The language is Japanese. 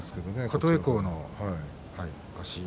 琴恵光の足。